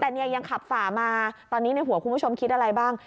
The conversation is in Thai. แต่เนี่ยยังขับฝ่ามาตอนนี้ในหัวคุณผู้ชมคิดอะไรบ้าง